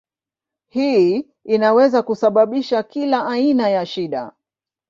Hii inaweza kusababisha kila aina ya shida.